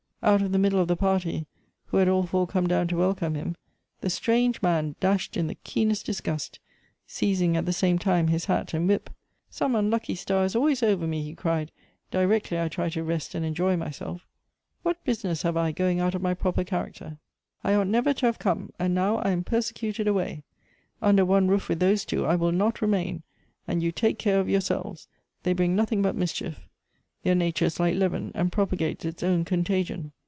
Out of the middle of the party, who had all four come down to welcome him, the strange man dashed in the keenest disgust, seizing at the same time his hat and whip. " Some unlucky star is always over me," he cried, " directly I try to rest and enjoy myself. What business have I going out of my proper character? I ought never Elective Affinities. 83 to have come, and now I am persecuted away. Under one roof with those two I will not remain, and you take care of yourselves. They bring nothing but mischief; their nature is like leaven, and propagates its own con tagion."